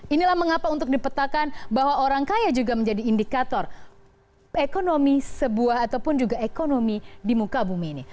inilah mengapa untuk dipetakan bahwa orang kaya juga menjadi indikator ekonomi sebuah ataupun juga ekonomi di muka bumi ini